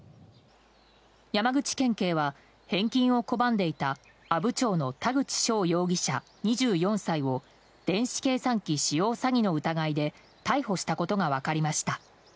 山口県警は返金を拒んでいた阿武町の田口翔容疑者、２４歳を電子計算機使用詐欺の疑いで逮捕したことが分かりました。